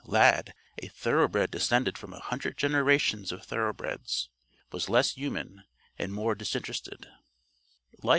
Lad, a thoroughbred descended from a hundred generations of thoroughbreds, was less human and more disinterested.